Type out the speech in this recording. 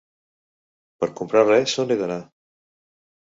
Per comprar res, on he d'anar?